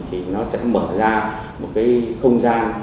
thì nó sẽ mở ra một cái không gian